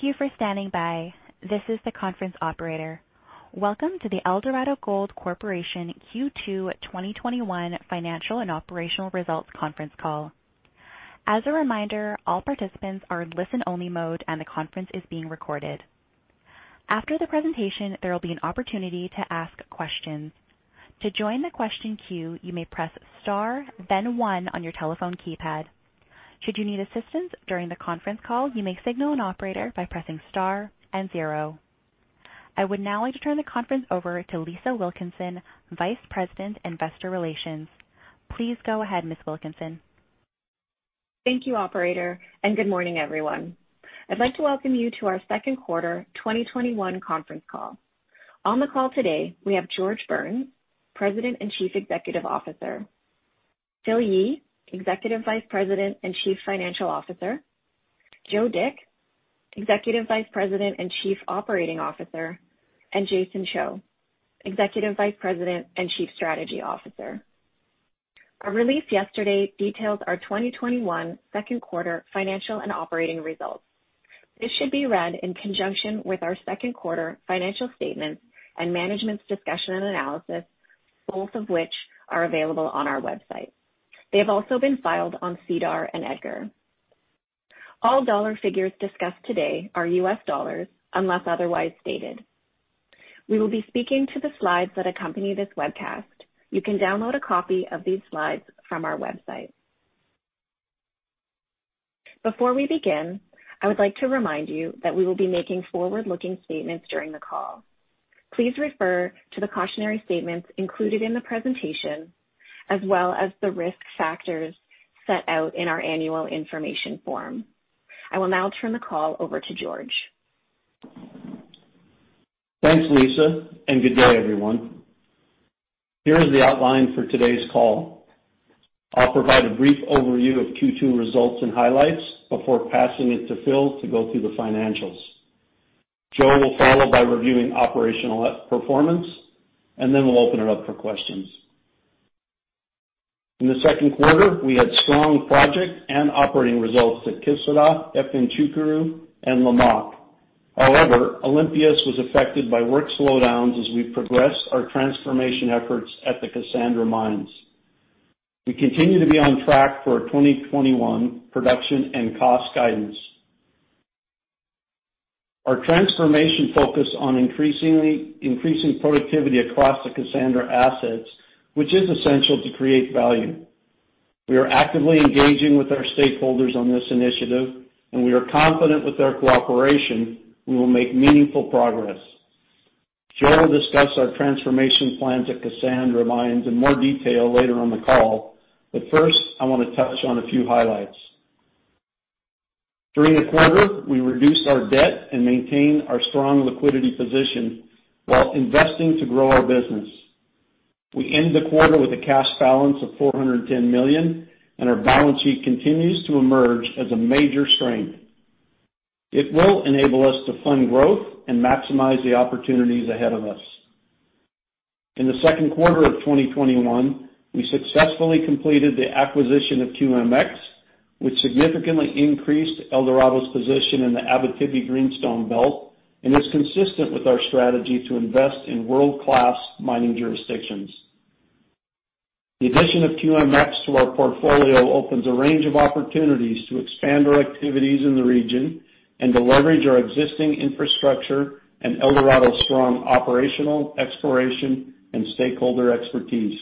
Thank you for standing by. This is the conference operator. Welcome to the Eldorado Gold Corporation Q2 2021 financial and operational results conference call. As a reminder, all participants are in listen-only mode, and the conference is being recorded. After the presentation, there will be an opportunity to ask questions. To join the question queue, you may press star then one on your telephone keypad. Should you need assistance during the conference call, you may signal an operator by pressing star and zero. I would now like to turn the conference over to Lisa Wilkinson, Vice President, Investor Relations. Please go ahead, Ms. Wilkinson. Thank you, operator and good morning, everyone. I'd like to welcome you to our second quarter 2021 conference call. On the call today, we have George Burns, President and Chief Executive Officer; Phil Yee, Executive Vice President and Chief Financial Officer; Joe Dick, Executive Vice President and Chief Operating Officer; and Jason Cho, Executive Vice President and Chief Strategy Officer. Our release yesterday detailed our 2021 second quarter financial and operating results. This should be read in conjunction with our second quarter financial statements and management's discussion and analysis, both of which are available on our website. They have also been filed on SEDAR and EDGAR. All dollar figures discussed today are U.S. dollars, unless otherwise stated. We will be speaking to the slides that accompany this webcast. You can download a copy of these slides from our website. Before we begin, I would like to remind you that we will be making forward-looking statements during the call. Please refer to the cautionary statements included in the presentation, as well as the risk factors set out in our Annual Information Form. I will now turn the call over to George. Thanks, Lisa, and good day, everyone. Here is the outline for today's call. I'll provide a brief overview of Q2 results and highlights before passing it to Phil to go through the financials. Joe will follow by reviewing operational performance, and then we'll open it up for questions. In the second quarter, we had strong project and operating results at Kışladağ, Efemçukuru, and Lamaque. However, Olympias was affected by work slowdowns as we progressed our transformation efforts at the Kassandra Mines. We continue to be on track for our 2021 production and cost guidance. Our transformation focus on increasing productivity across the Kassandra assets, which is essential to create value. We are actively engaging with our stakeholders on this initiative, and we are confident with their cooperation, we will make meaningful progress. Joe will discuss our transformation plans at Kassandra Mines in more detail later on the call, but first, I want to touch on a few highlights. During the quarter, we reduced our debt and maintained our strong liquidity position while investing to grow our business. We end the quarter with a cash balance of $410 million, and our balance sheet continues to emerge as a major strength. It will enable us to fund growth and maximize the opportunities ahead of us. In the second quarter of 2021, we successfully completed the acquisition of QMX, which significantly increased Eldorado's position in the Abitibi Greenstone Belt and is consistent with our strategy to invest in world-class mining jurisdictions. The addition of QMX to our portfolio opens a range of opportunities to expand our activities in the region and to leverage our existing infrastructure and Eldorado's strong operational exploration and stakeholder expertise.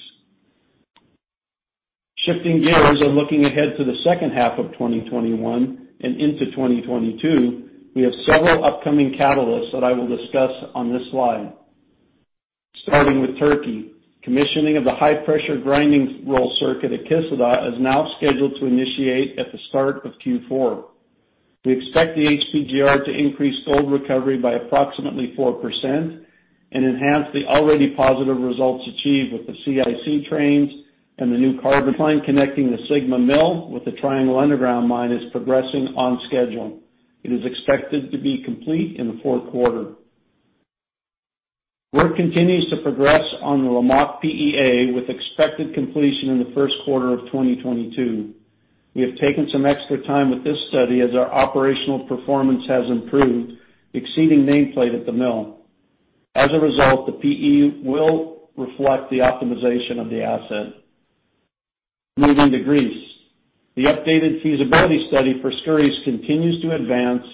Shifting gears and looking ahead to the second half of 2021 and into 2022, we have several upcoming catalysts that I will discuss on this slide. Starting with Turkey, commissioning of the high-pressure grinding roll circuit at Kışladağ is now scheduled to initiate at the start of Q4. We expect the HPGR to increase gold recovery by approximately 4% and enhance the already positive results achieved with the CIC trains and the new carbon plant connecting the Sigma Mill with the Triangle underground mine is progressing on schedule. It is expected to be complete in the fourth quarter. Work continues to progress on the Lamaque PEA, with expected completion in the first quarter of 2022. We have taken some extra time with this study as our operational performance has improved, exceeding nameplate at the mill. As a result, the PEA will reflect the optimization of the asset. Moving to Greece. The updated feasibility study for Skouries continues to advance,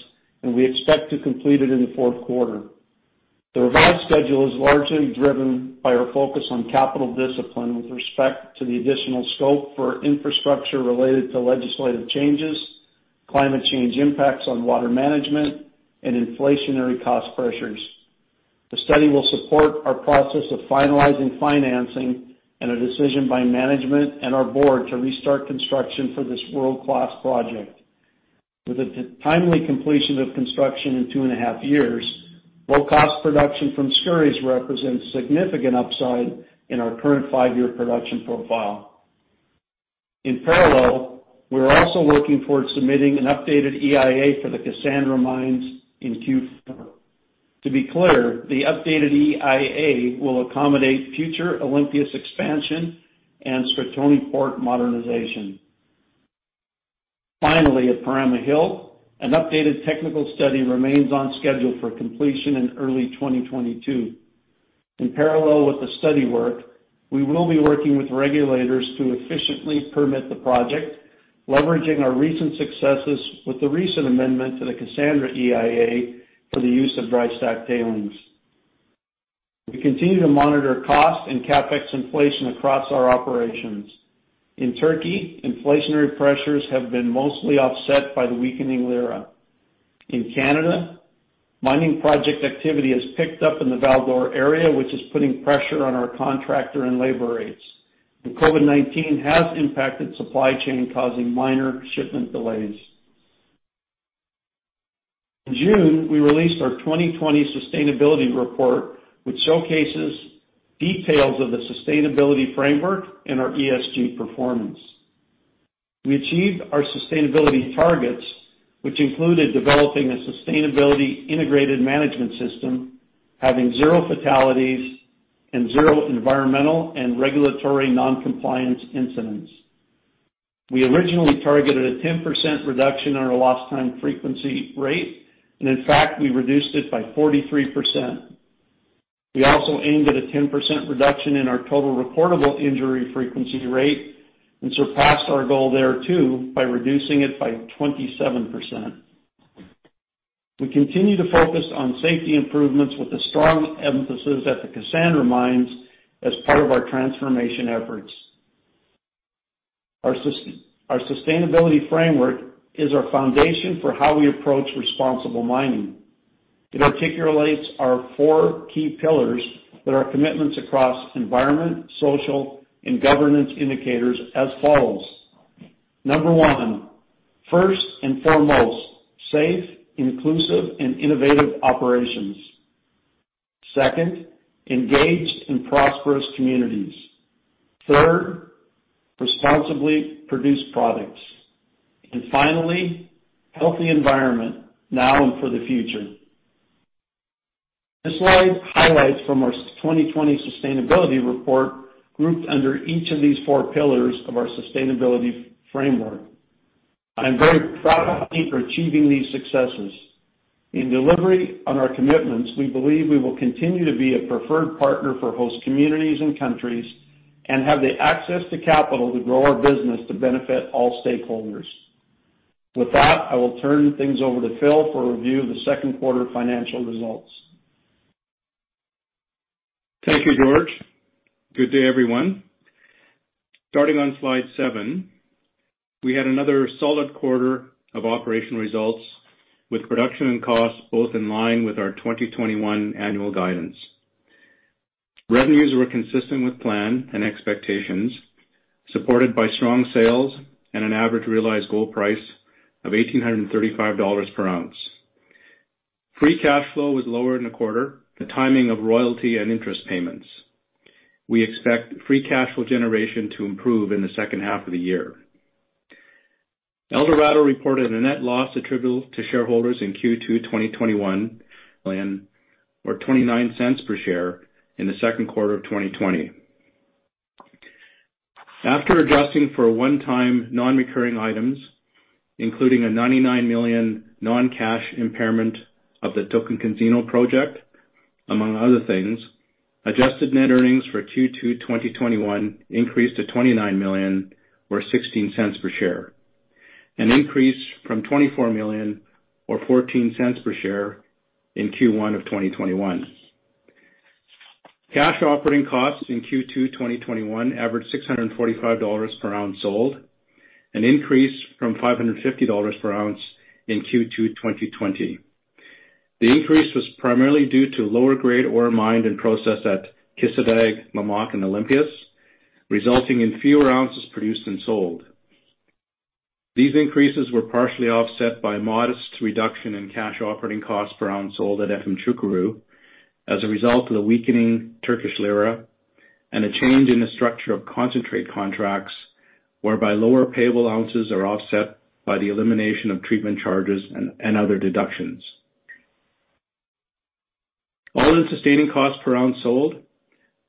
and we expect to complete it in the fourth quarter. The revised schedule is largely driven by our focus on capital discipline with respect to the additional scope for infrastructure related to legislative changes, climate change impacts on water management, and inflationary cost pressures. The study will support our process of finalizing financing and a decision by management and our board to restart construction for this world-class project. With the timely completion of construction in two and a half years, low-cost production from Skouries represents significant upside in our current five-year production profile. In parallel, we're also working toward submitting an updated EIA for the Kassandra Mines in Q4. To be clear, the updated EIA will accommodate future Olympias expansion and Stratoni Port modernization. Finally, at Perama Hill, an updated technical study remains on schedule for completion in early 2022. In parallel with the study work, we will be working with regulators to efficiently permit the project, leveraging our recent successes with the recent amendment to the Kassandra EIA for the use of dry stack tailings. We continue to monitor cost and CapEx inflation across our operations. In Turkey, inflationary pressures have been mostly offset by the weakening lira. In Canada, mining project activity has picked up in the Val-d'Or area, which is putting pressure on our contractor and labor rates. COVID-19 has impacted supply chain, causing minor shipment delays. In June, we released our 2020 Sustainability Report, which showcases details of the sustainability framework and our ESG performance. We achieved our sustainability targets, which included developing a Sustainability Integrated Management System, having zero fatalities, and zero environmental and regulatory non-compliance incidents. We originally targeted a 10% reduction on our lost time frequency rate, and in fact, we reduced it by 43%. We also aimed at a 10% reduction in our total reportable injury frequency rate and surpassed our goal there too by reducing it by 27%. We continue to focus on safety improvements with a strong emphasis at the Kassandra Mines as part of our transformation efforts. Our sustainability framework is our foundation for how we approach responsible mining. It articulates our four key pillars that are commitments across environment, social, and governance indicators as follows. Number one, first and foremost, safe, inclusive, and innovative operations. Second, engaged and prosperous communities. Third, responsibly produced products. Finally, healthy environment now and for the future. This slide highlights from our 2020 Sustainability Report, grouped under each of these four pillars of our sustainability framework. I am very proud of the team for achieving these successes. In delivery on our commitments, we believe we will continue to be a preferred partner for host communities and countries and have the access to capital to grow our business to benefit all stakeholders. With that, I will turn things over to Phil for a review of the second quarter financial results. Thank you, George. Good day, everyone. Starting on slide seven, we had another solid quarter of operation results with production and costs both in line with our 2021 annual guidance. Revenues were consistent with plan and expectations, supported by strong sales and an average realized gold price of $1,835/oz. Free cash flow was lower in the quarter, the timing of royalty and interest payments. We expect free cash flow generation to improve in the second half of the year. Eldorado reported a net loss attributable to shareholders in Q2 2021, or $0.29 per share in the second quarter of 2020. After adjusting for a one-time non-recurring items, including a $99 million non-cash impairment of the Tocantinzinho project, among other things, adjusted net earnings for Q2 2021 increased to $29 million or $0.16 per share, an increase from $24 million or $0.14 per share in Q1 of 2021. Cash operating costs in Q2 2021 averaged $645/oz sold, an increase from $550/oz in Q2 2020. The increase was primarily due to lower grade ore mined and processed at Kışladağ, Lamaque, and Olympias, resulting in fewer ounces produced and sold. These increases were partially offset by modest reduction in cash operating costs per ounce sold at Efemçukuru as a result of the weakening Turkish lira and a change in the structure of concentrate contracts, whereby lower payable ounces are offset by the elimination of treatment charges and other deductions. All-in sustaining costs per ounce sold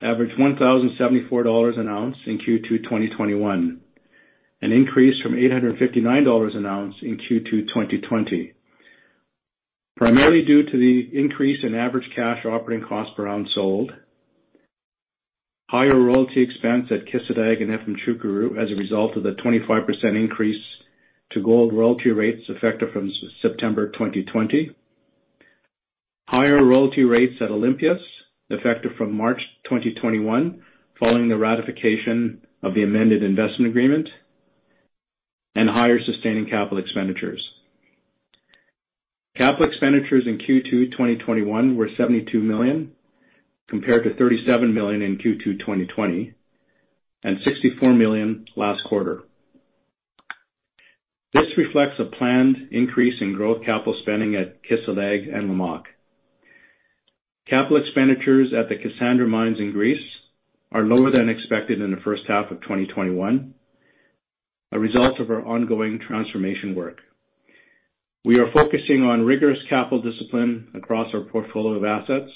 averaged $1,074/oz in Q2 2021, an increase from $859/oz in Q2 2020, primarily due to the increase in average cash operating cost per ounce sold, higher royalty expense at Kışladağ and Efemçukuru as a result of the 25% increase to gold royalty rates effective from September 2020, higher royalty rates at Olympias, effective from March 2021, following the ratification of the Amended Investment Agreement, and higher sustaining capital expenditures. Capital expenditures in Q2 2021 were $72 million, compared to $37 million in Q2 2020 and $64 million last quarter. This reflects a planned increase in growth capital spending at Kışladağ and Lamaque. Capital expenditures at the Kassandra Mines in Greece are lower than expected in the first half of 2021, a result of our ongoing transformation work. We are focusing on rigorous capital discipline across our portfolio of assets,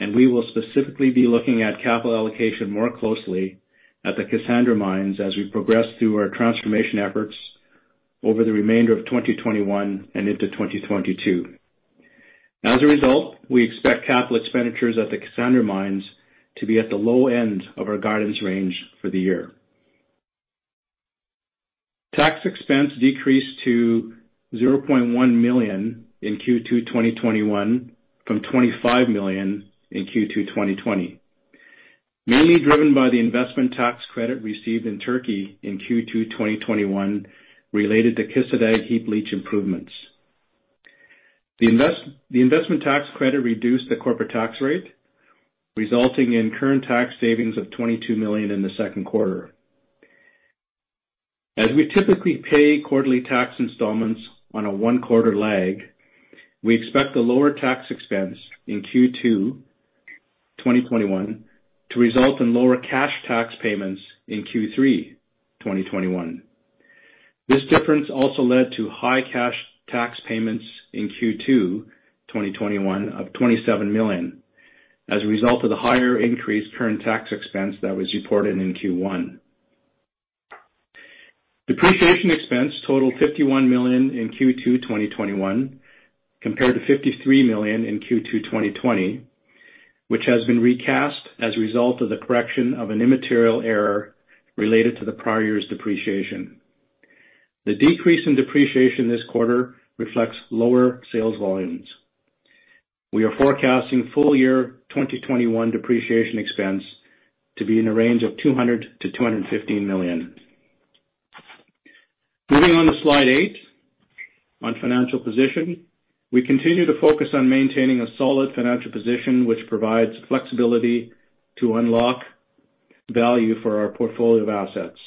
and we will specifically be looking at capital allocation more closely at the Kassandra Mines as we progress through our transformation efforts over the remainder of 2021 and into 2022. As a result, we expect capital expenditures at the Kassandra Mines to be at the low end of our guidance range for the year. Tax expense decreased to $0.1 million in Q2 2021 from $25 million in Q2 2020, mainly driven by the investment tax credit received in Turkey in Q2 2021 related to Kışladağ Heap Leach improvements. The investment tax credit reduced the corporate tax rate, resulting in current tax savings of $22 million in the second quarter. As we typically pay quarterly tax installments on a one-quarter lag, we expect a lower tax expense in Q2 2021 to result in lower cash tax payments in Q3 2021. This difference also led to high cash tax payments in Q2 2021 of $27 million as a result of the higher increased current tax expense that was reported in Q1. Depreciation expense totaled $51 million in Q2 2021 compared to $53 million in Q2 2020, which has been recast as a result of the correction of an immaterial error related to the prior year's depreciation. The decrease in depreciation this quarter reflects lower sales volumes. We are forecasting full year 2021 depreciation expense to be in a range of $200 million-$215 million. Moving on to slide eight, on financial position. We continue to focus on maintaining a solid financial position, which provides flexibility to unlock value for our portfolio of assets.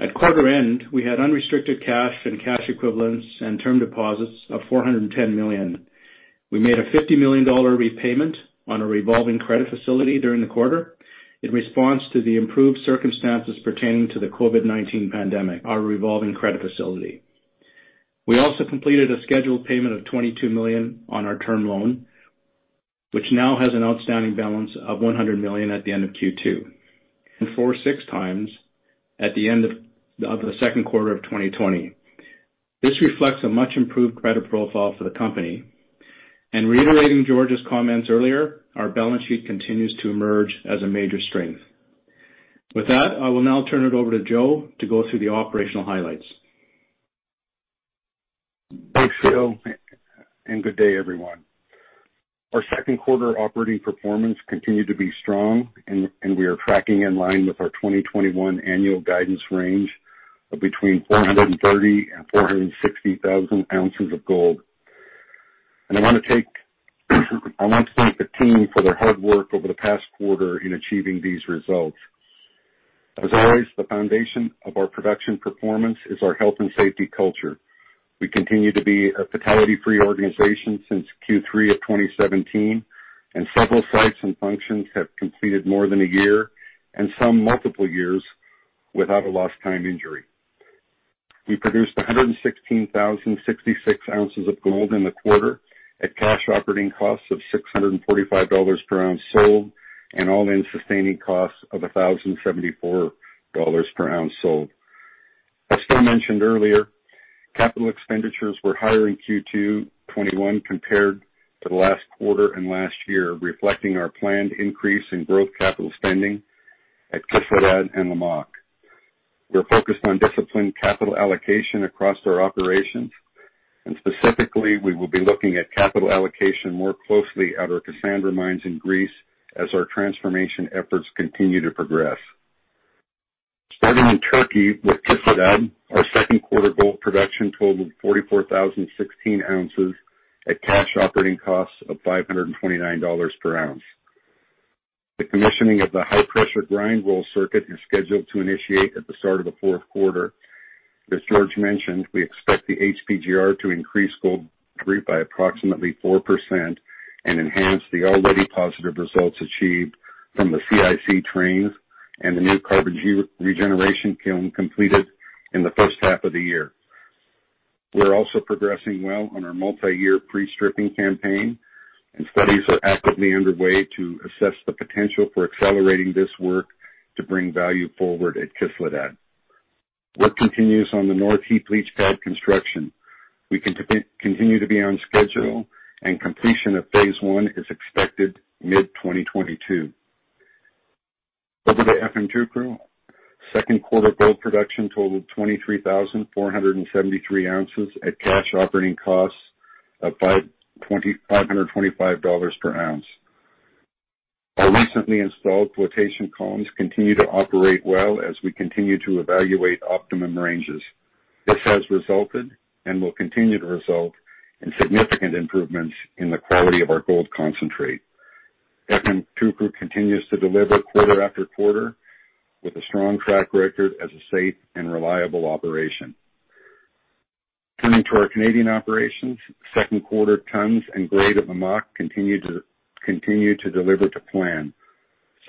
At quarter end, we had unrestricted cash and cash equivalents and term deposits of $410 million. We made a $50 million repayment on a revolving credit facility during the quarter in response to the improved circumstances pertaining to the COVID-19 pandemic, our revolving credit facility. We also completed a scheduled payment of $22 million on our term loan, which now has an outstanding balance of $100 million at the end of Q2, 4.6x at the end of the second quarter of 2020. This reflects a much-improved credit profile for the company. Reiterating George's comments earlier, our balance sheet continues to emerge as a major strength. With that, I will now turn it over to Joe to go through the operational highlights. Thanks, Phil, and good day, everyone. Our second quarter operating performance continued to be strong and we are tracking in line with our 2021 annual guidance range of between 430,000 and 460,000 oz of gold. I want to thank the team for their hard work over the past quarter in achieving these results. As always, the foundation of our production performance is our health and safety culture. We continue to be a fatality-free organization since Q3 of 2017, and several sites and functions have completed more than a year and some multiple years without a lost time injury. We produced 116,066 oz of gold in the quarter at cash operating costs of $645/oz sold, and all-in sustaining costs of $1,074/oz sold. As Phil mentioned earlier, capital expenditures were higher in Q2 2021 compared to last quarter and last year, reflecting our planned increase in growth capital spending at Kışladağ and Lamaque. We are focused on disciplined capital allocation across our operations, and specifically, we will be looking at capital allocation more closely at our Kassandra Mines in Greece as our transformation efforts continue to progress. Starting in Turkey with Kışladağ, our second quarter gold production totaled 44,016 oz at cash operating costs of $529/oz. The commissioning of the high-pressure grind roll circuit is scheduled to initiate at the start of the fourth quarter. As George mentioned, we expect the HPGR to increase gold throughput by approximately 4% and enhance the already positive results achieved from the CIC trains and the new carbon regeneration kiln completed in the first half of the year. We're also progressing well on our multiyear pre-stripping campaign, and studies are actively underway to assess the potential for accelerating this work to bring value forward at Kışladağ. Work continues on the North Heap Leach Pad construction. We continue to be on schedule and completion of Phase 1 is expected mid-2022. Over to Efemçukuru. Second quarter gold production totaled 23,473 oz at cash operating costs of $525/oz. Our recently installed flotation columns continue to operate well as we continue to evaluate optimum ranges. This has resulted and will continue to result in significant improvements in the quality of our gold concentrate. Efemçukuru continues to deliver quarter after quarter with a strong track record as a safe and reliable operation. Turning to our Canadian operations, second quarter tons and grade at Lamaque continue to deliver to plan.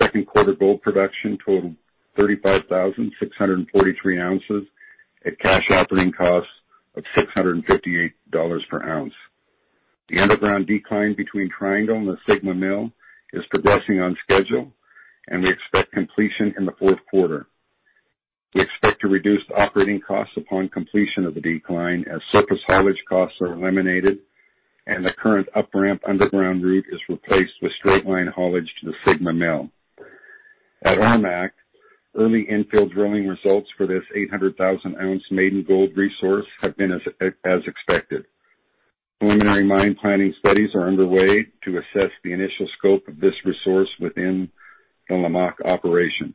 Second quarter gold production totaled 35,643 oz at cash operating costs of $658/oz. The underground decline between Triangle and the Sigma Mill is progressing on schedule, and we expect completion in the fourth quarter. We expect to reduce operating costs upon completion of the decline as surface haulage costs are eliminated and the current up-ramp underground route is replaced with straight-line haulage to the Sigma Mill. At Lamaque, early infill drilling results for this 800,000-oz maiden gold resource have been as expected. Preliminary mine planning studies are underway to assess the initial scope of this resource within the Lamaque operation.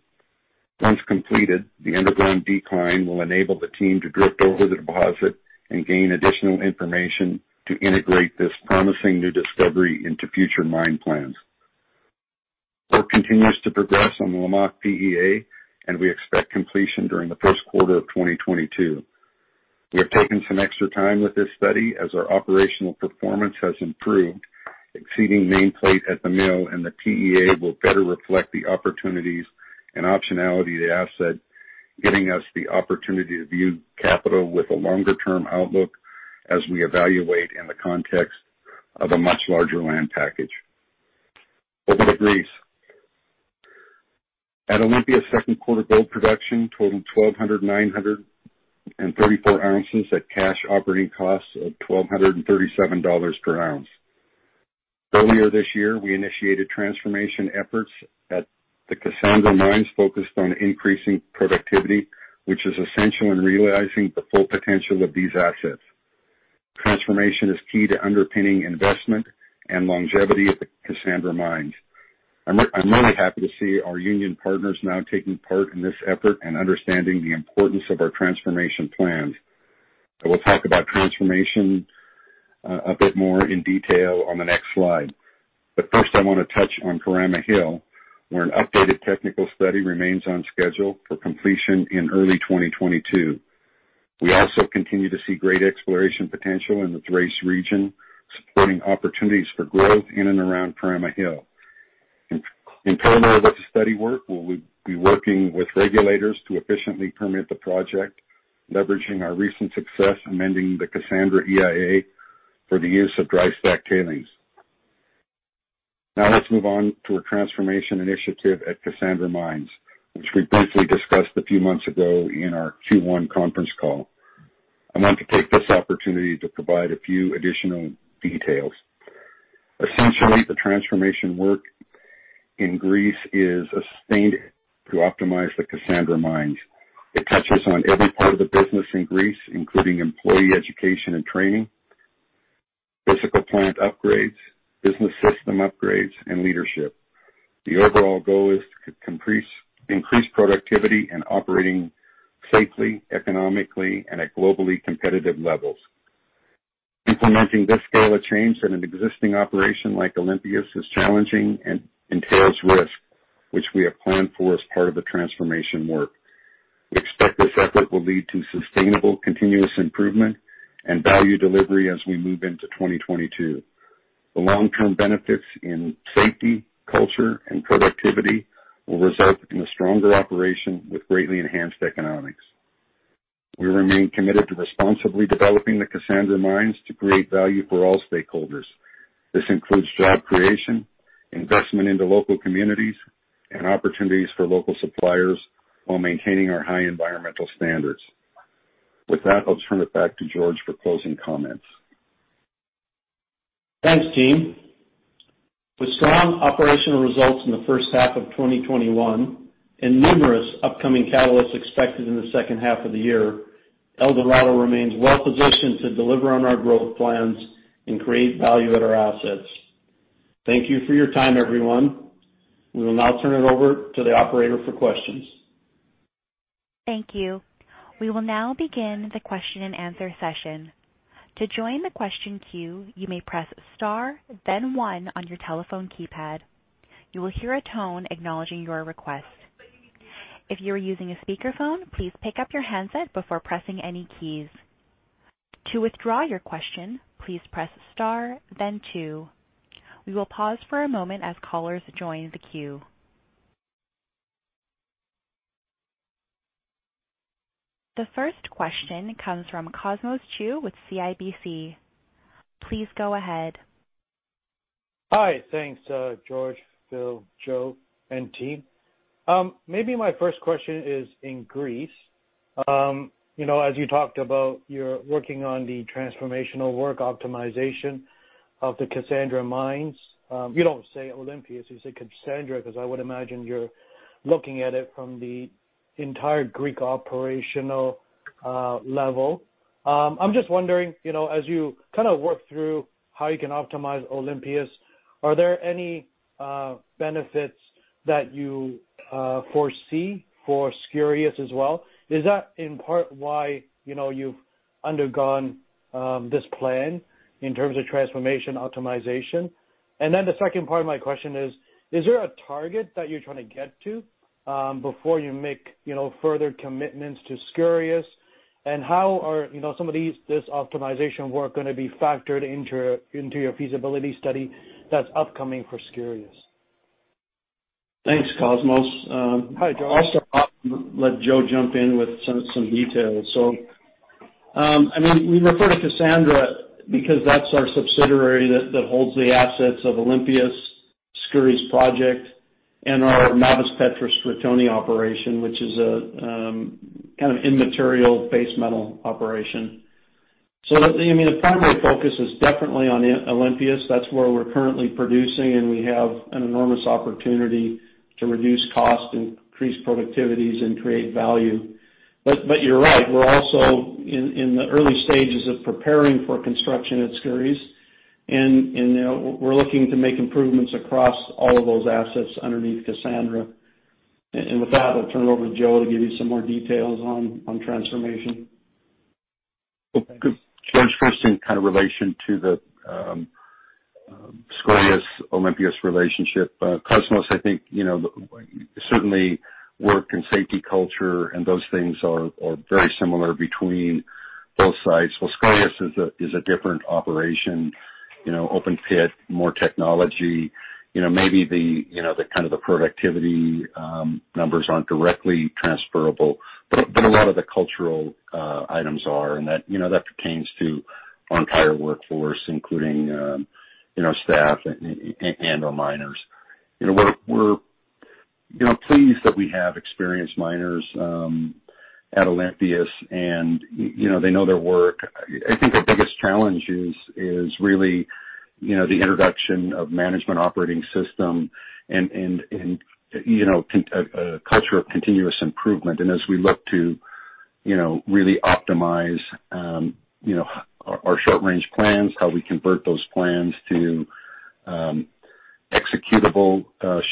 Once completed, the underground decline will enable the team to drift over the deposit and gain additional information to integrate this promising new discovery into future mine plans. Work continues to progress on the Lamaque PEA, and we expect completion during the first quarter of 2022. We have taken some extra time with this study as our operational performance has improved, exceeding nameplate at the mill, and the PEA will better reflect the opportunities and optionality of the asset, giving us the opportunity to view capital with a longer-term outlook as we evaluate in the context of a much larger land package. Over to Greece. At Olympias, second quarter gold production totaled 12,934 oz at cash operating costs of $1,237/oz. Earlier this year, we initiated transformation efforts at the Kassandra Mines focused on increasing productivity, which is essential in realizing the full potential of these assets. Transformation is key to underpinning investment and longevity at the Kassandra Mines. I'm really happy to see our union partners now taking part in this effort and understanding the importance of our transformation plans. I will talk about transformation a bit more in detail on the next slide, but first, I want to touch on Perama Hill, where an updated technical study remains on schedule for completion in early 2022. We also continue to see great exploration potential in the Thrace region, supporting opportunities for growth in and around Perama Hill. In parallel with the study work, we'll be working with regulators to efficiently permit the project, leveraging our recent success amending the Kassandra EIA for the use of dry stack tailings. Now, let's move on to our transformation initiative at Kassandra Mines, which we briefly discussed a few months ago in our Q1 conference call. I want to take this opportunity to provide a few additional details. Essentially, the transformation work in Greece is a standard to optimize the Kassandra Mines. It touches on every part of the business in Greece, including employee education and training, physical plant upgrades, business system upgrades, and leadership. The overall goal is to increase productivity and operating safely, economically, and at globally competitive levels. Implementing this scale of change in an existing operation like Olympias is challenging and entails risk, which we have planned for as part of the transformation work. We expect this effort will lead to sustainable continuous improvement and value delivery as we move into 2022. The long-term benefits in safety, culture, and productivity will result in a stronger operation with greatly enhanced economics. We remain committed to responsibly developing the Kassandra Mines to create value for all stakeholders. This includes job creation, investment into local communities, and opportunities for local suppliers while maintaining our high environmental standards. With that, I'll turn it back to George for closing comments. Thanks, team. With strong operational results in the first half of 2021 and numerous upcoming catalysts expected in the second half of the year, Eldorado remains well-positioned to deliver on our growth plans and create value at our assets. Thank you for your time, everyone. We will now turn it over to the operator for questions. Thank you. We will now begin the question-and-answer session. To join the question queue, you may press star then one on your telephone keypad. You'll hear a tone acknowledging your request. If you're using a speaker phone, please pick up your handset before pressing any keys. To withdraw your question, please press star then two. We'll pause for a moment as callers join the queue. The first question comes from Cosmos Chiu with CIBC. Please go ahead. Hi. Thanks, George, Phil, Joe, and team. Maybe my first question is in Greece. As you talked about, you're working on the transformational work optimization of the Kassandra Mines. You don't say Olympias, you say Kassandra, because I would imagine you're looking at it from the entire Greek operational level. I'm just wondering, as you kind of work through how you can optimize Olympias, are there any benefits that you foresee for Skouries as well? Is that in part why you've undergone this plan in terms of transformation optimization? The second part of my question is, is there a target that you're trying to get to before you make further commitments to Skouries? And how are some of these, this optimization work, going to be factored into your feasibility study that's upcoming for Skouries? Thanks, Cosmos. Hi, George. I'll start off and let Joe jump in with some details. We refer to Kassandra because that's our subsidiary that holds the assets of Olympias, Skouries project, and our Mavres Petres-Stratoni operation, which is a kind of immaterial base metal operation. The primary focus is definitely on Olympias. That's where we're currently producing, and we have an enormous opportunity to reduce cost, increase productivities, and create value. But you're right, we're also in the early stages of preparing for construction at Skouries, and we're looking to make improvements across all of those assets underneath Kassandra. With that, I'll turn it over to Joe to give you some more details on transformation. Good. George, first, in kind of relation to the Skouries, Olympias relationship. Cosmos, I think, certainly, work and safety culture and those things are very similar between both sites. Skouries is a different operation, open pit, more technology. Maybe the kind of the productivity numbers aren't directly transferable, but a lot of the cultural items are. That pertains to our entire workforce, including staff and our miners. We're pleased that we have experienced miners at Olympias, and they know their work. I think the biggest challenge is really the introduction of management operating system and a culture of continuous improvement. As we look to really optimize our short-range plans, how we convert those plans to executable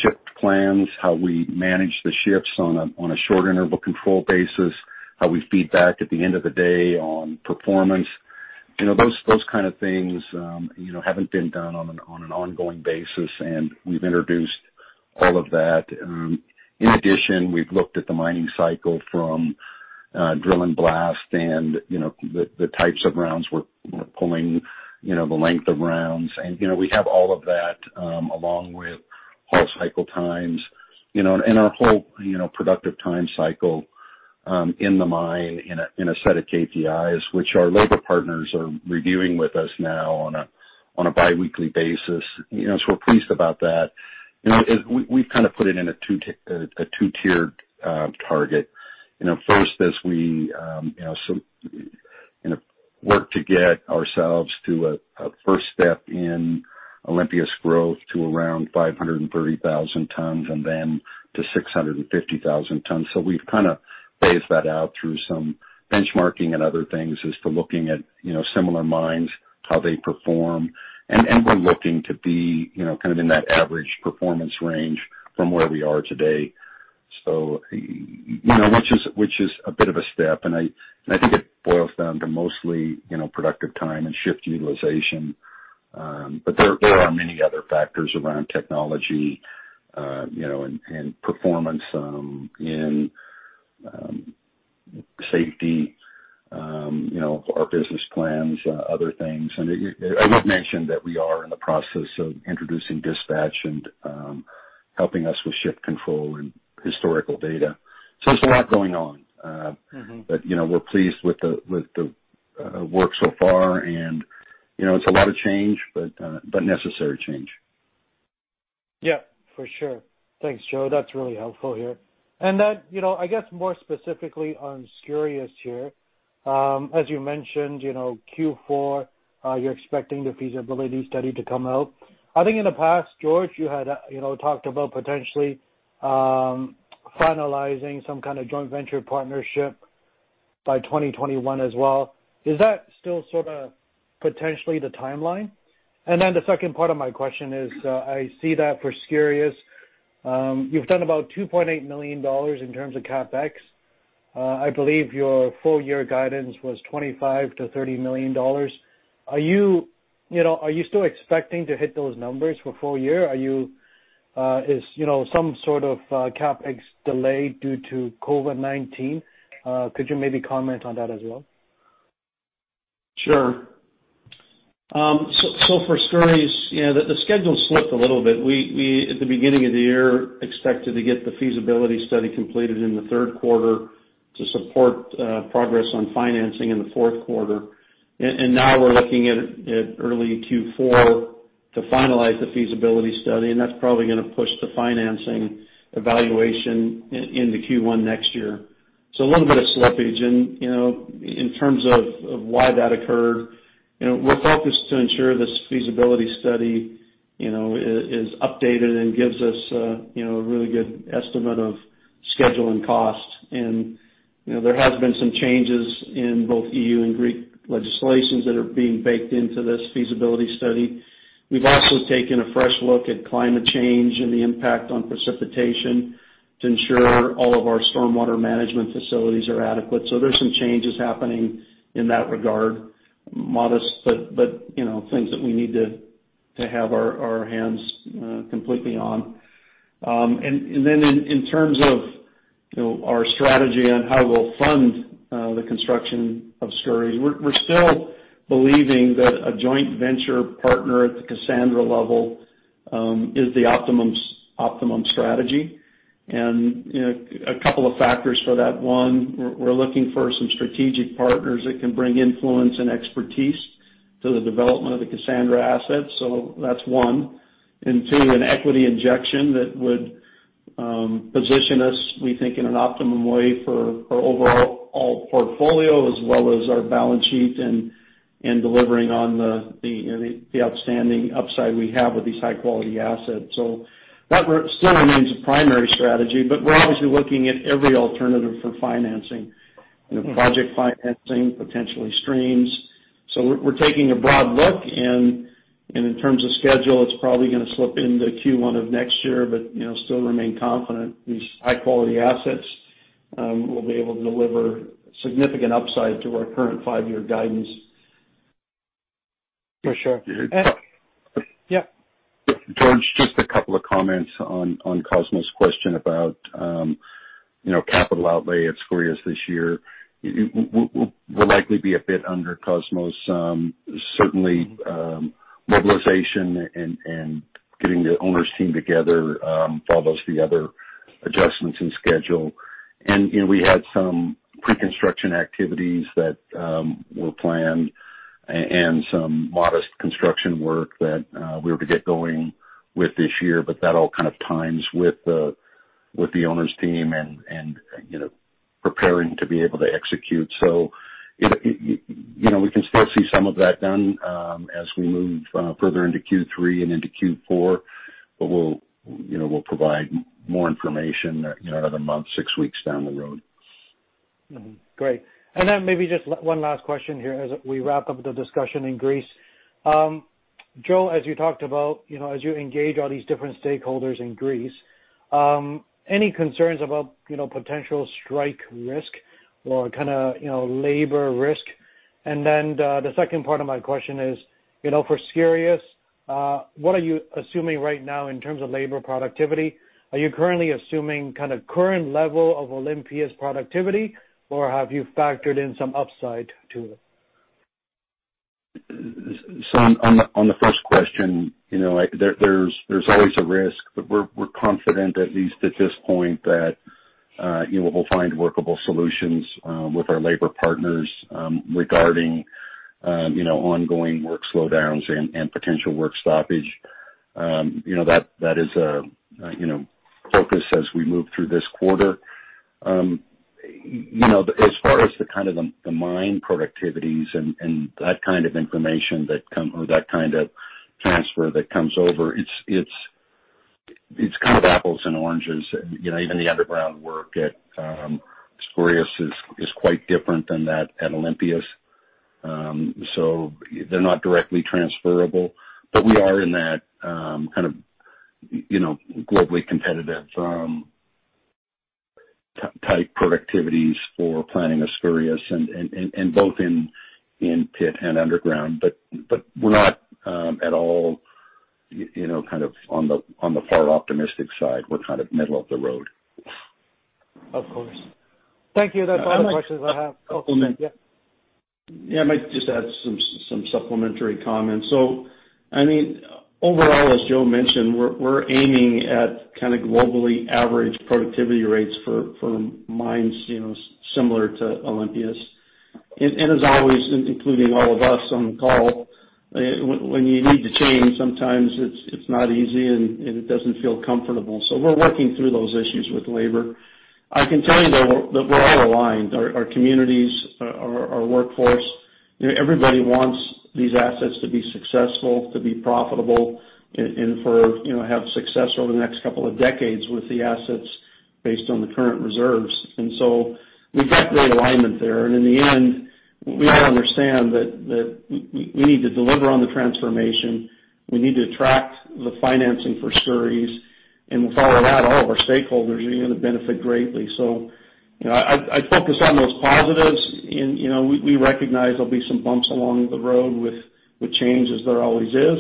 shift plans, how we manage the shifts on a short interval control basis, how we feed back at the end of the day on performance, those kind of things haven't been done on an ongoing basis, and we've introduced all of that. In addition, we've looked at the mining cycle from drill and blast and the types of rounds we're pulling, the length of rounds. We have all of that, along with haul cycle times, and our whole productive time cycle in the mine in a set of KPIs, which our labor partners are reviewing with us now on a biweekly basis. We're pleased about that. We've kind of put it in a two-tiered target. First, as we work to get ourselves to a first step in Olympias growth to around 530,000 tons and then to 650,000 tons. We've kind of phased that out through some benchmarking and other things as to looking at similar mines, how they perform. We're looking to be kind of in that average performance range from where we are today, which is a bit of a step, and I think it boils down to mostly productive time and shift utilization. There are many other factors around technology and performance in safety, our business plans, other things. I would mention that we are in the process of introducing DISPATCH and helping us with shift control and historical data. So, there's a lot going on. We're pleased with the work so far, and it's a lot of change, but necessary change. Yeah, for sure. Thanks, Joe. That's really helpful here. I guess more specifically on Skouries here, as you mentioned Q4, you're expecting the feasibility study to come out. I think in the past, George, you had talked about potentially finalizing some kind of joint venture partnership by 2021 as well. Is that still sort of potentially the timeline? The second part of my question is, I see that for Skouries, you've done about $2.8 million in terms of CapEx. I believe your full-year guidance was $25 million-$30 million. Are you still expecting to hit those numbers for full year? Is some sort of CapEx delayed due to COVID-19? Could you maybe comment on that as well? Sure. For Skouries, the schedule slipped a little bit. We, at the beginning of the year, expected to get the feasibility study completed in the third quarter to support progress on financing in the fourth quarter. Now, we're looking at early Q4 to finalize the feasibility study, and that's probably going to push the financing evaluation into Q1 next year, so a little bit of slippage. In terms of why that occurred, we're focused to ensure this feasibility study is updated and gives us a really good estimate of schedule and cost. There has been some changes in both EU and Greek legislations that are being baked into this feasibility study. We've also taken a fresh look at climate change and the impact on precipitation to ensure all of our stormwater management facilities are adequate, so there's some changes happening in that regard. Modest, but things that we need to have our hands completely on. In terms of our strategy on how we'll fund the construction of Skouries, we're still believing that a joint venture partner at the Kassandra level is the optimum strategy. A couple of factors for that. One, we're looking for some strategic partners that can bring influence and expertise to the development of the Kassandra assets. That's one. Two, an equity injection that would position us, we think, in an optimum way for our overall portfolio, as well as our balance sheet and delivering on the outstanding upside we have with these high-quality assets. That still remains a primary strategy, but we're obviously looking at every alternative for financing, project financing, potentially streams. We're taking a broad look, and in terms of schedule, it's probably going to slip into Q1 of next year but still remain confident these high-quality assets will be able to deliver significant upside to our current five-year guidance. For sure. Yeah. George, just a couple of comments on Cosmos’ question about capital outlay at Skouries this year. We’ll likely be a bit under, Cosmos, certainly, mobilization and getting the owner’s team together follows the other adjustments in schedule. We had some pre-construction activities that were planned and some modest construction work that we were to get going with this year, but that all kind of times with the owner’s team and preparing to be able to execute. We can still see some of that done as we move further into Q3 and into Q4, but we’ll provide more information in another month, six weeks down the road. Great. Maybe just one last question here as we wrap up the discussion in Greece. Joe, as you talked about, as you engage all these different stakeholders in Greece, any concerns about potential strike risk or kind of labor risk? The second part of my question is, for Skouries, what are you assuming right now in terms of labor productivity? Are you currently assuming kind of current level of Olympias productivity, or have you factored in some upside to it? On the first question, there's always a risk, but we're confident, at least at this point, that we'll find workable solutions with our labor partners regarding ongoing work slowdowns and potential work stoppage. That is a focus as we move through this quarter. As far as the mine productivities and that kind of information, that kind of transfer that comes over, it's kind of apples and oranges. Even the underground work at Skouries is quite different than that at Olympias, so they're not directly transferable. We are in that kind of globally competitive type productivities for planning of Skouries and both in pit and underground, but we're not at all on the far optimistic side. We're kind of middle of the road. Of course. Thank you. That's all the questions I have. Yeah. I might just add some supplementary comments. Overall, as Joe mentioned, we're aiming at kind of globally average productivity rates for mines similar to Olympias. As always, including all of us on the call, when you need to change, sometimes it's not easy, and it doesn't feel comfortable. We're working through those issues with labor. I can tell you, though, that we're all aligned, our communities, our workforce. Everybody wants these assets to be successful, to be profitable, and have success over the next couple of decades with the assets based on the current reserves. We've got great alignment there. In the end, we all understand that we need to deliver on the transformation. We need to attract the financing for Skouries. With all of that, all of our stakeholders are going to benefit greatly. I'd focus on those positives, and we recognize there'll be some bumps along the road with change, as there always is,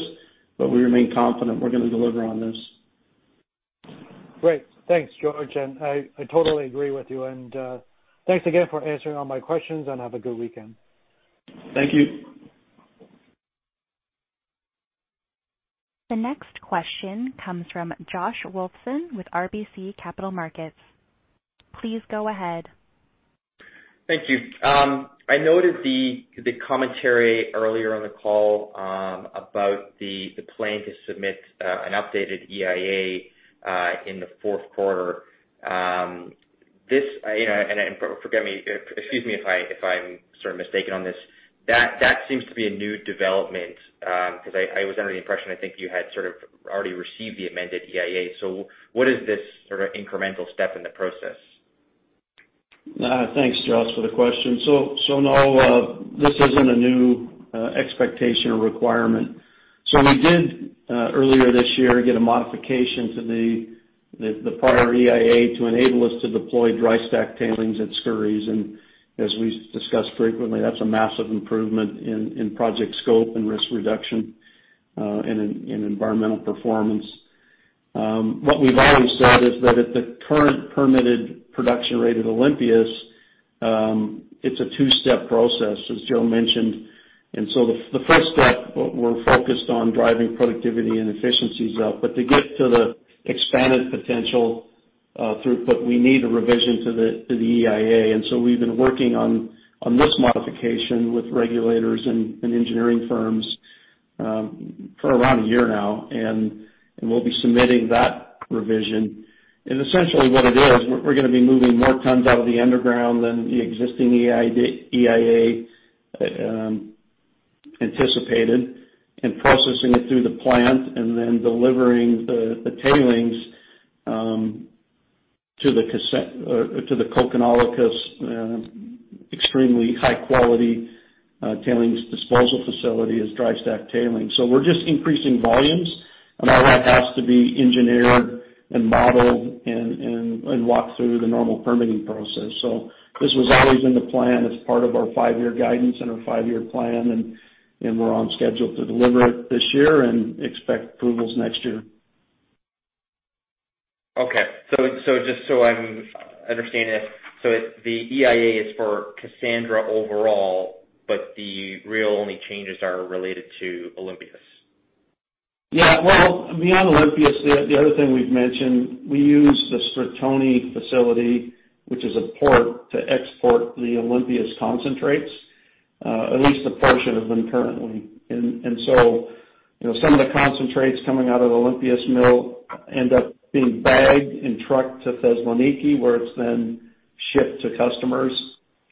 but we remain confident we're going to deliver on this. Great. Thanks, George, and I totally agree with you. Thanks again for answering all my questions, and have a good weekend. Thank you. The next question comes from Josh Wolfson with RBC Capital Markets. Please go ahead. Thank you. I noted the commentary earlier on the call about the plan to submit an updated EIA in the fourth quarter. Forgive me, excuse me if I'm sort of mistaken on this. That seems to be a new development, because I was under the impression, I think you had sort of already received the amended EIA. So, what is this sort of incremental step in the process? Thanks, Josh, for the question. No, this isn't a new expectation or requirement. We did, earlier this year, get a modification to the prior EIA to enable us to deploy dry stack tailings at Skouries. As we've discussed frequently, that's a massive improvement in project scope and risk reduction, in environmental performance. What we've always said is that at the current permitted production rate at Olympias, it's a two-step process, as Joe mentioned. The first step, we're focused on driving productivity and efficiencies up. To get to the expanded potential throughput, we need a revision to the EIA. We've been working on this modification with regulators and engineering firms for around a year now, and we'll be submitting that revision. Essentially, what it is, we're going to be moving more tons out of the underground than the existing EIA anticipated and processing it through the plant and then delivering the tailings to the Kokkinolakkas extremely high-quality tailings disposal facility as dry stack tailings. We're just increasing volumes, and all that has to be engineered and modeled and walk through the normal permitting process. This was always in the plan as part of our five-year guidance and our five-year plan, and we're on schedule to deliver it this year and expect approvals next year. Okay. Just so I understand it, so the EIA is for Kassandra overall, but the real only changes are related to Olympias? Well, beyond Olympias, the other thing we've mentioned, we use the Stratoni facility, which is a port to export the Olympias concentrates, at least a portion of them currently. Some of the concentrates coming out of the Olympias mill end up being bagged and trucked to Thessaloniki, where it's then shipped to customers.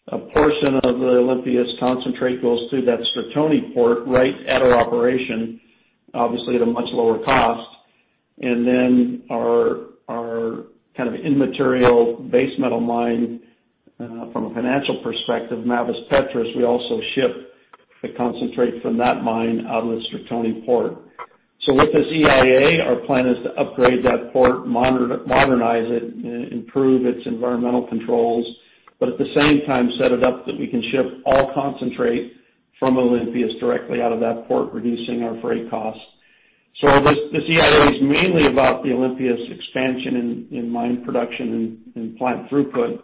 A portion of the Olympias concentrate goes through that Stratoni Port right at our operation, obviously at a much lower cost. Then, our kind of immaterial base metal mine from a financial perspective, Mavres Petres, we also ship the concentrate from that mine out of the Stratoni Port. With this EIA, our plan is to upgrade that port, modernize it, and improve its environmental controls, but at the same time, set it up that we can ship all concentrate from Olympias directly out of that port, reducing our freight costs. This EIA is mainly about the Olympias expansion in mine production and plant throughput,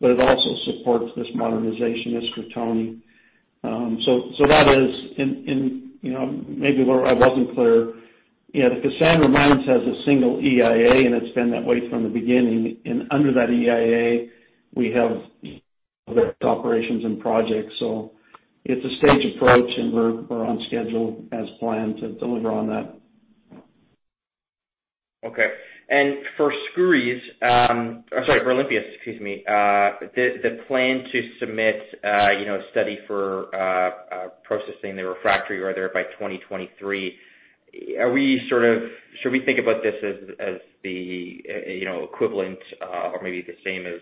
but it also supports this modernization at Stratoni. That is, and maybe where I wasn't clear, the Kassandra Mines has a single EIA, and it's been that way from the beginning. Under that EIA, we have other operations and projects. It's a staged approach, and we're on schedule as planned to deliver on that. Okay. For Skouries, sorry, for Olympias, excuse me, the plan to submit a study for processing the refractory ore there by 2023, are we sort of, should we think about this as the equivalent or maybe the same as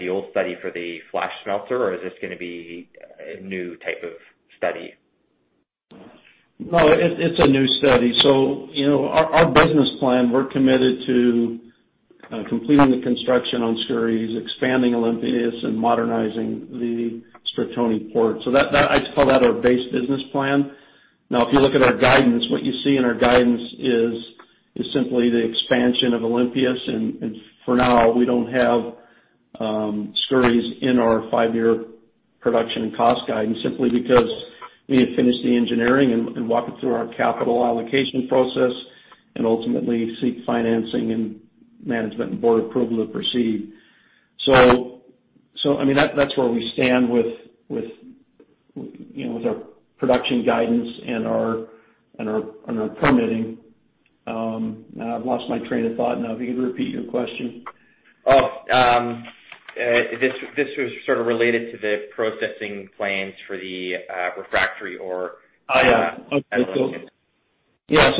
the old study for the flash smelter, or is this going to be a new type of study? No, it's a new study. Our business plan, we're committed to completing the construction on Skouries, expanding Olympias, and modernizing the Stratoni Port. I call that our base business plan. If you look at our guidance, what you see in our guidance is simply the expansion of Olympias. For now, we don't have Skouries in our five-year production and cost guidance, simply because we need to finish the engineering and walk it through our capital allocation process and ultimately, seek financing and management and board approval to proceed. That's where we stand with our production guidance and our permitting. I've lost my train of thought now. If you could repeat your question? This was sort of related to the processing plans for the refractory ore. Oh, yeah. Okay. At Olympias. Yeah.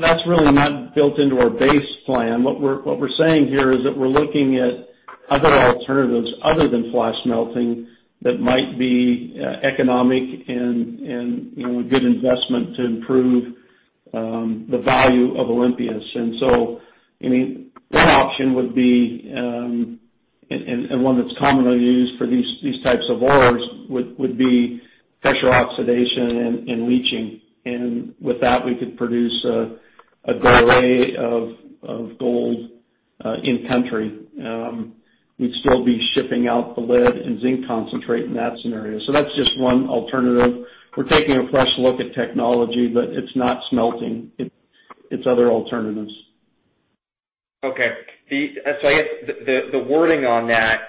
That's really not built into our base plan. What we're saying here is that we're looking at other alternatives other than flash smelting that might be economic and a good investment to improve the value of Olympias. One option would be, and one that's commonly used for these types of ores, would be pressure oxidation and leaching. With that, we could produce a doré of gold in-country. We'd still be shipping out the lead and zinc concentrate in that scenario. That's just one alternative. We're taking a fresh look at technology, but it's not smelting. It's other alternatives. Okay. I guess the wording on that,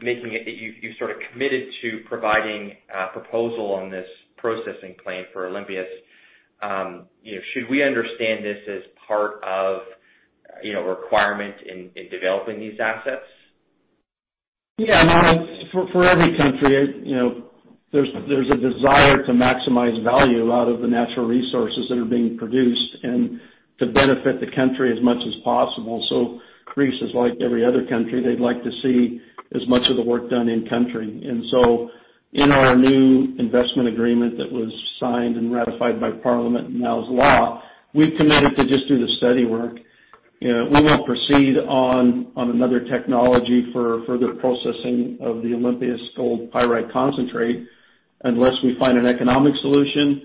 making it that you've sort of committed to providing a proposal on this processing plan for Olympias, should we understand this as part of a requirement in developing these assets? For every country, there's a desire to maximize value out of the natural resources that are being produced and to benefit the country as much as possible. Greece is like every other country. They'd like to see as much of the work done in country. In our new Investment Agreement that was signed and ratified by parliament and now is law, we've committed to just do the study work. We won't proceed on another technology for further processing of the Olympias gold pyrite concentrate unless we find an economic solution,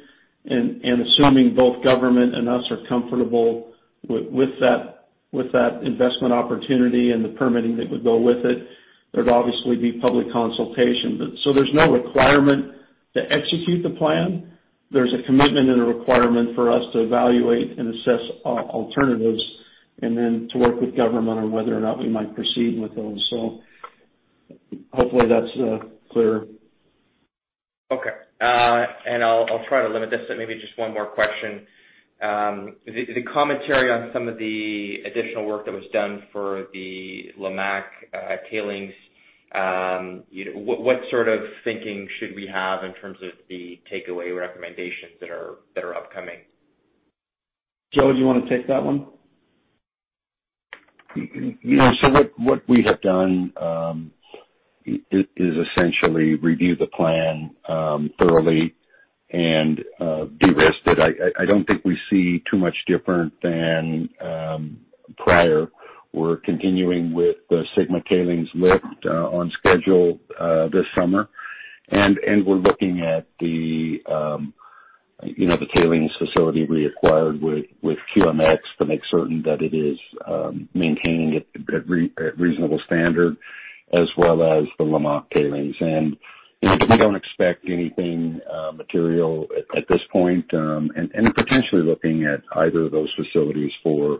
and assuming both government and us are comfortable with that investment opportunity and the permitting that would go with it, there'd obviously be public consultation. There's no requirement to execute the plan. There's a commitment and a requirement for us to evaluate and assess alternatives and then to work with government on whether or not we might proceed with those. Hopefully, that's clear. Okay. I'll try to limit this to maybe just one more question. The commentary on some of the additional work that was done for the Lamaque tailings, what sort of thinking should we have in terms of the takeaway recommendations that are upcoming? Joe, do you want to take that one? What we have done is essentially review the plan thoroughly and de-risked it. I don't think we see too much different than prior. We're continuing with the Sigma tailings lift on schedule this summer, and we're looking at the tailings facility reacquired with QMX to make certain that it is maintaining it at reasonable standard as well as the Lamaque tailings. We don't expect anything material at this point, and potentially looking at either of those facilities for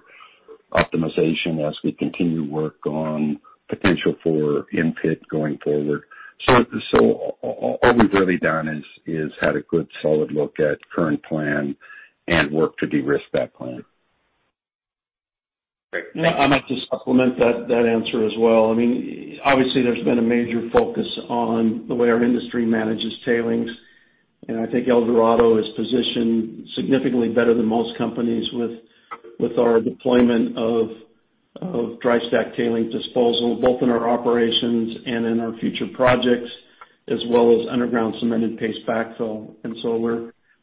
optimization as we continue work on potential for in-pit going forward. All we've really done is had a good solid look at current plan and work to de-risk that plan. Great. I might just supplement that answer as well. Obviously, there's been a major focus on the way our industry manages tailings, and I think Eldorado is positioned significantly better than most companies with our deployment of dry stack tailings disposal, both in our operations and in our future projects, as well as underground cemented paste backfill.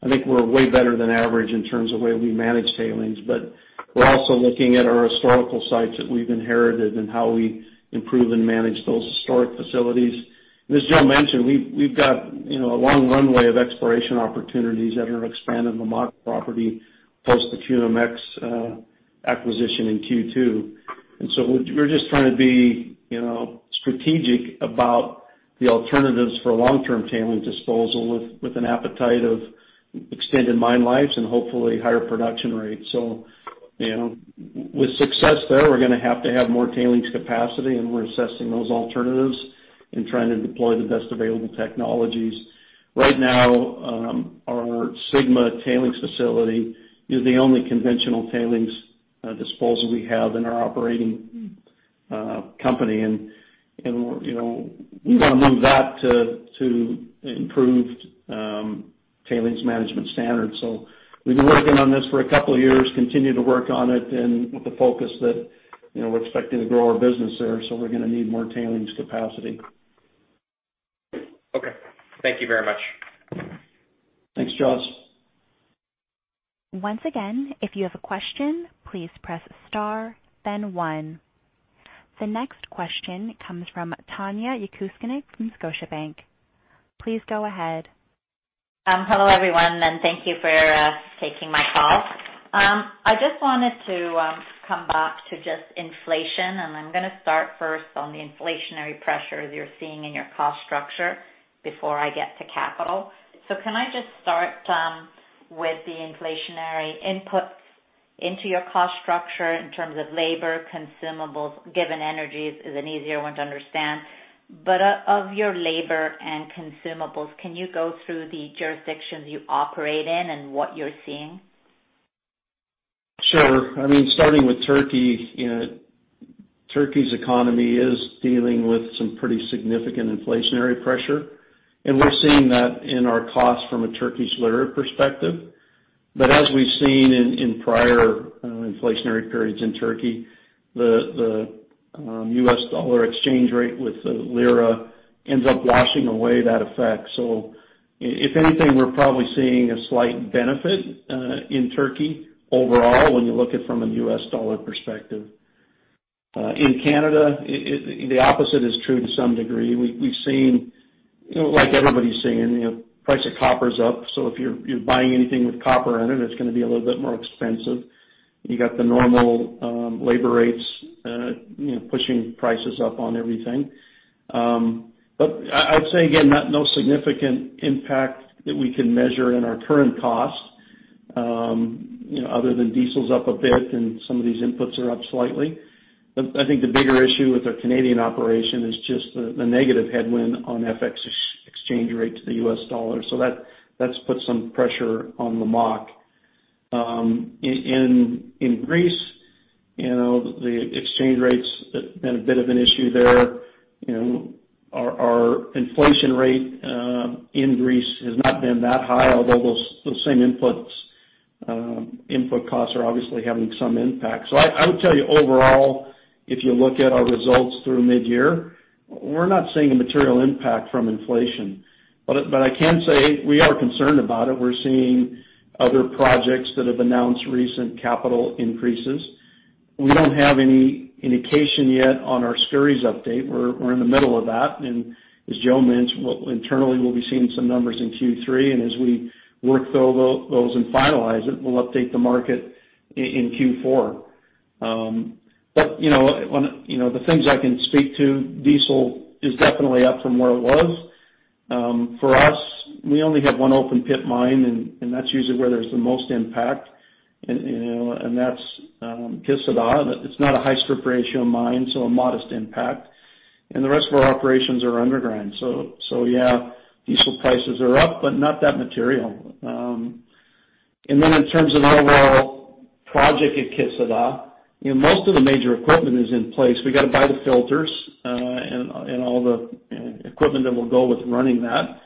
I think we're way better than average in terms of way we manage tailings, but we're also looking at our historical sites that we've inherited and how we improve and manage those historic facilities. As Joe mentioned, we've got a long runway of exploration opportunities at our expanded Lamaque property, plus the QMX acquisition in Q2. We're just trying to be strategic about the alternatives for long-term tailings disposal with an appetite of extended mine lives and hopefully higher production rates. With success there, we're going to have to have more tailings capacity, and we're assessing those alternatives and trying to deploy the best available technologies. Right now, our Sigma tailings facility is the only conventional tailings disposal we have in our operating company, and we want to move that to improved tailings management standards. We've been working on this for a couple of years, continue to work on it and with the focus that we're expecting to grow our business there, so we're going to need more tailings capacity. Okay. Thank you very much. Thanks, Josh. Once again, if you have a question, please press star, then one. The next question comes from Tanya Jakusconek from Scotiabank. Please go ahead. Hello, everyone, and thank you for taking my call. I just wanted to come back to just inflation, and I'm going to start first on the inflationary pressures you're seeing in your cost structure before I get to capital. Can I just start with the inflationary inputs into your cost structure in terms of labor consumables, given energies is an easier one to understand, but of your labor and consumables, can you go through the jurisdictions you operate in and what you're seeing? Sure. Starting with Turkey. Turkey's economy is dealing with some pretty significant inflationary pressure, and we're seeing that in our costs from a Turkish lira perspective. As we've seen in prior inflationary periods in Turkey, the U.S. dollar exchange rate with the lira ends up washing away that effect. If anything, we're probably seeing a slight benefit, in Turkey overall, when you look at it from a U.S. dollar perspective. In Canada, the opposite is true to some degree. We've seen, like everybody's seeing, price of copper's up, so if you're buying anything with copper in it's going to be a little bit more expensive. You got the normal labor rates pushing prices up on everything. I'd say again, no significant impact that we can measure in our current costs, other than diesel's up a bit and some of these inputs are up slightly. I think the bigger issue with our Canadian operation is just the negative headwind on FX exchange rate to the U.S. dollar. That's put some pressure on Lamaque. In Greece, the exchange rate's been a bit of an issue there. Our inflation rate in Greece has not been that high, although those same input costs are obviously having some impact. I would tell you overall, if you look at our results through mid-year, we're not seeing a material impact from inflation. But I can say, we are concerned about it. We're seeing other projects that have announced recent capital increases. We don't have any indication yet on our Skouries update. We're in the middle of that, and as Joe mentioned, internally, we'll be seeing some numbers in Q3, and as we work through those and finalize it, we'll update the market in Q4. The things I can speak to, diesel is definitely up from where it was. For us, we only have one open pit mine, that's usually where there's the most impact, and that's Kışladağ. It's not a high strip ratio mine, so, a modest impact. The rest of our operations are underground. Yeah, diesel prices are up, but not that material. In terms of overall project at Kışladağ, most of the major equipment is in place. We've got to buy the filters and all the equipment that will go with running that.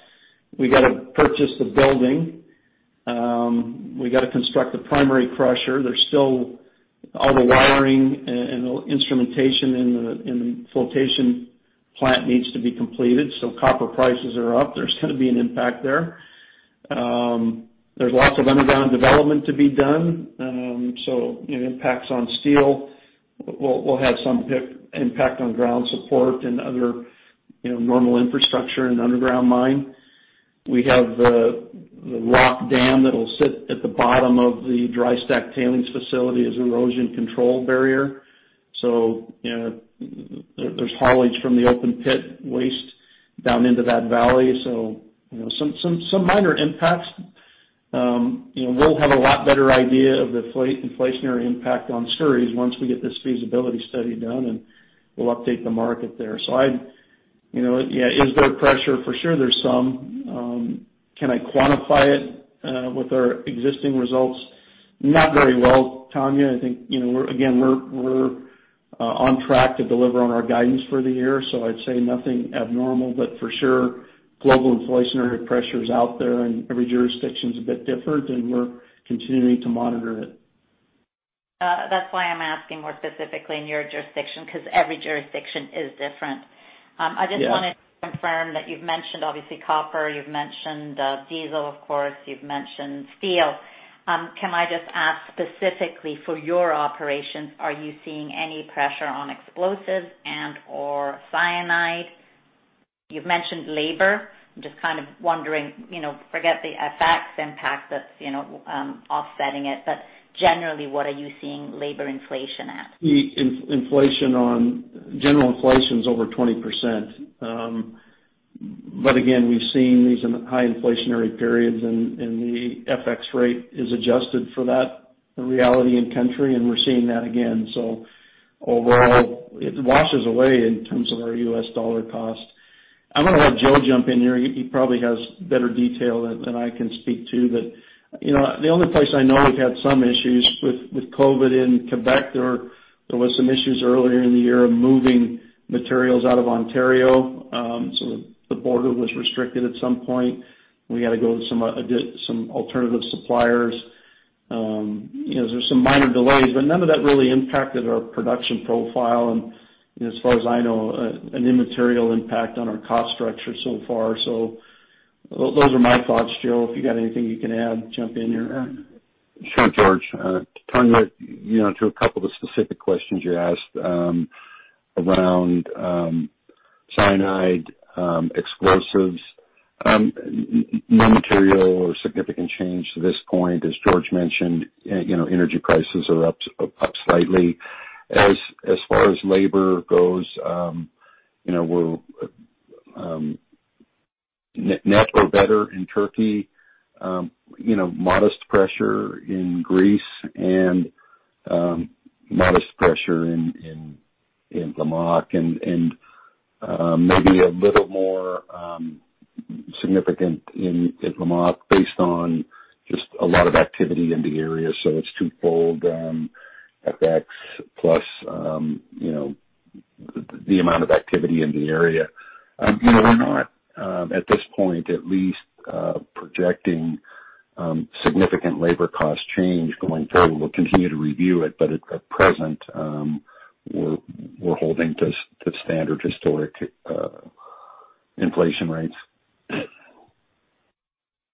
We got to purchase the building. We got to construct the primary crusher. There's still all the wiring and instrumentation in the flotation plant needs to be completed. Copper prices are up, there's going to be an impact there. There's lots of underground development to be done, so impacts on steel will have some impact on ground support and other normal infrastructure in an underground mine. We have the rock dam that'll sit at the bottom of the dry stack tailings facility as erosion control barrier. There's haulage from the open pit waste down into that valley. Some minor impacts. We'll have a lot better idea of the inflationary impact on Skouries once we get this feasibility study done, and we'll update the market there. Is there pressure? For sure there's some. Can I quantify it with our existing results? Not very well, Tanya. I think, again, we're on track to deliver on our guidance for the year, so I'd say nothing abnormal. But for sure, global inflationary pressure is out there and every jurisdiction's a bit different and we're continuing to monitor it. That's why I'm asking more specifically in your jurisdiction, because every jurisdiction is different Yeah. I just wanted to confirm that you've mentioned, obviously, copper. You've mentioned diesel, of course, you've mentioned steel. Can I just ask specifically for your operations, are you seeing any pressure on explosives and/or cyanide? You've mentioned labor. I'm just kind of wondering, forget the FX impact that's offsetting it, but generally, what are you seeing labor inflation at? General inflation is over 20%. Again, we've seen these high inflationary periods and the FX rate is adjusted for that reality in country, and we're seeing that again. Overall, it washes away in terms of our U.S. dollar cost. I'm going to have Joe jump in here. He probably has better detail than I can speak to. The only place I know we've had some issues with COVID in Quebec, there was some issues earlier in the year of moving materials out of Ontario. The border was restricted at some point. We had to go to some alternative suppliers. There is some minor delays, but none of that really impacted our production profile. As far as I know, an immaterial impact on our cost structure so far. Those are my thoughts. Joe, if you have got anything you can add, jump in here. Sure, George. Tanya, to a couple of specific questions you asked around cyanide, explosives, no material or significant change to this point. As George mentioned, energy prices are up slightly. As far as labor goes, we're net or better in Turkey, modest pressure in Greece, and modest pressure in Lamaque, and maybe a little more significant in Lamaque based on just a lot of activity in the area. It's twofold, FX plus the amount of activity in the area. We're not, at this point at least, projecting significant labor cost change going forward. We'll continue to review it, but at present, we're holding to standard historic inflation rates.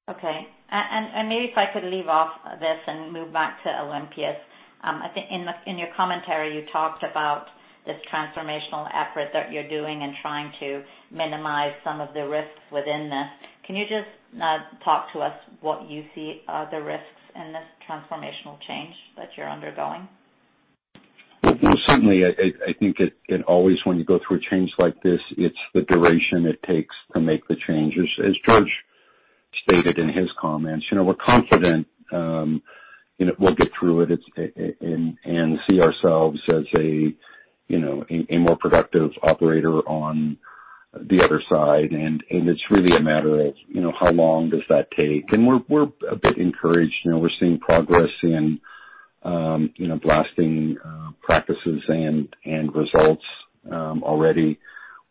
Okay. Maybe if I could leave off this and move back to Olympias. I think in your commentary, you talked about this transformational effort that you're doing in trying to minimize some of the risks within this. Can you just talk to us what you see are the risks in this transformational change that you're undergoing? Well, certainly, I think it always, when you go through a change like this, it's the duration it takes to make the changes. As George stated in his comments, we're confident we'll get through it and see ourselves as a more productive operator on the other side. It's really a matter of how long does that take? We're a bit encouraged. We're seeing progress in blasting practices and results. Already,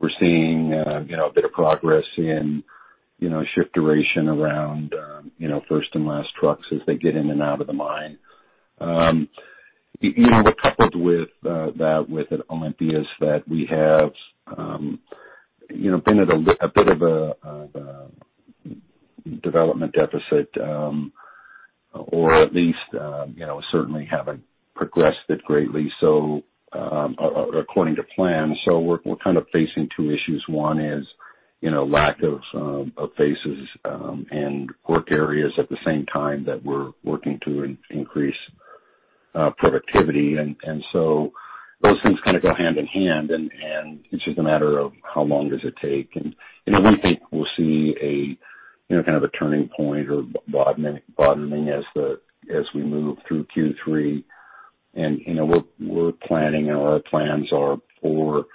we're seeing a bit of progress in shift duration around first and last trucks as they get in and out of the mine. You know, coupled with that, with Olympias that we have been at a bit of a development deficit or at least certainly haven't progressed it greatly according to plan. We're kind of facing two issues. One is lack of faces and work areas at the same time that we're working to increase productivity. Those things kind of go hand in hand and it's just a matter of how long does it take. We think we'll see a kind of a turning point or bottoming as we move through Q3. We're planning, our plans are for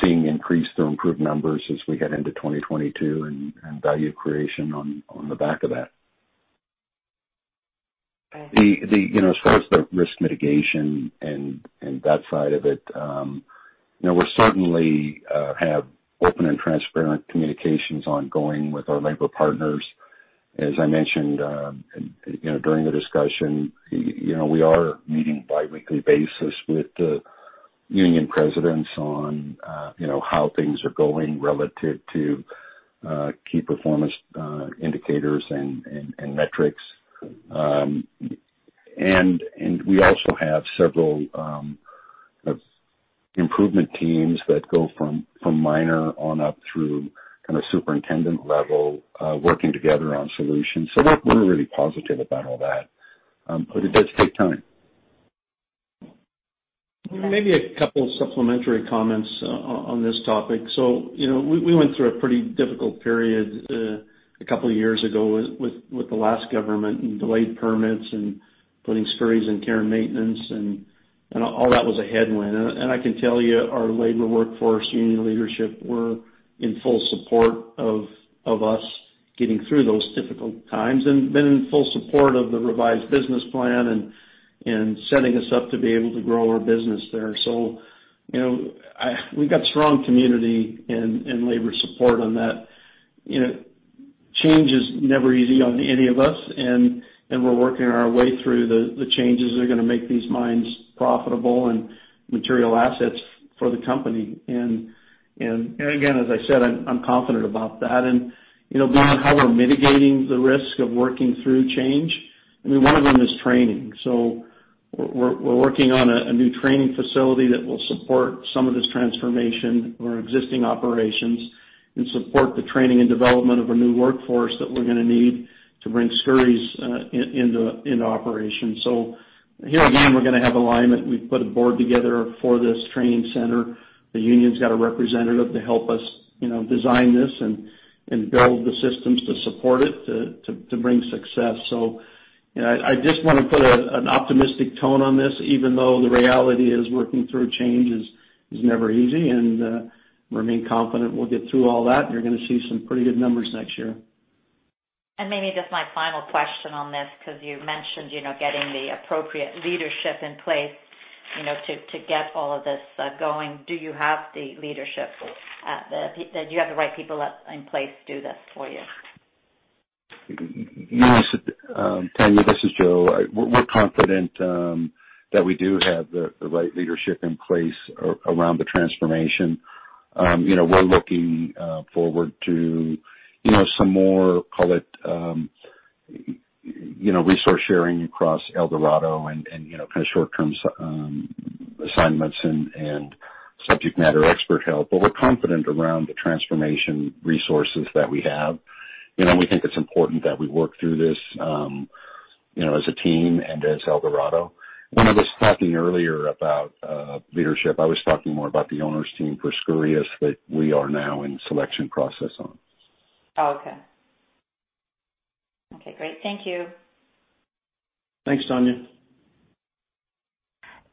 seeing increased or improved numbers as we get into 2022 and value creation on the back of that. Okay. As far as the risk mitigation and that side of it, we certainly have open and transparent communications ongoing with our labor partners. As I mentioned during the discussion, we are meeting biweekly basis with the union presidents on how things are going relative to key performance indicators and metrics. We also have several improvement teams that go from miner on up through kind of superintendent level, working together on solutions. We're really positive about all that, but it does take time. Okay. Maybe a couple of supplementary comments on this topic. We went through a pretty difficult period a couple of years ago with the last government and delayed permits and putting Skouries in care and maintenance and all that was a headwind. I can tell you our labor workforce, union leadership, were in full support of us getting through those difficult times and been in full support of the revised business plan and setting us up to be able to grow our business there. We got strong community and labor support on that. Change is never easy on any of us, and we're working our way through the changes that are going to make these mines profitable and material assets for the company. Again, as I said, I'm confident about that. Beyond how we're mitigating the risk of working through change, I mean, one of them is training. We're working on a new training facility that will support some of this transformation or existing operations and support the training and development of a new workforce that we're going to need to bring Skouries into operation. Here again, we're going to have alignment. We've put a board together for this training center. The union's got a representative to help us design this and build the systems to support it, to bring success. I just want to put an optimistic tone on this, even though the reality is working through change is never easy and remain confident we'll get through all that, and you're going to see some pretty good numbers next year. Maybe just my final question on this, because you mentioned getting the appropriate leadership in place to get all of this going. Do you have the leadership, the right people in place to do this for you? Tanya, this is Joe. We're confident that we do have the right leadership in place around the transformation. We're looking forward to some more, call it, resource sharing across Eldorado and kind of short-term assignments and subject matter expert help. We're confident around the transformation resources that we have. We think it's important that we work through this as a team and as Eldorado. When I was talking earlier about leadership, I was talking more about the owner's team for Skouries that we are now in selection process on. Okay. Okay, great. Thank you. Thanks, Tanya.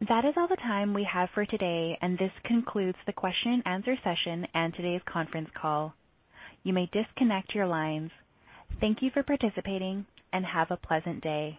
That is all the time we have for today, and this concludes the question-and-answer session and today's conference call. You may disconnect your lines. Thank you for participating and have a pleasant day.